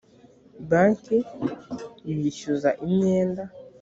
banki yishyuza imyenda